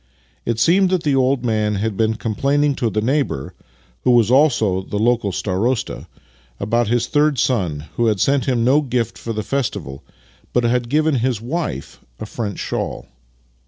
It seemed that the old man had been com]^laining to the neighbour (who was also the local starosta ') about his third son, who had sent him no gift for the festival, but had given his wife a French shawl.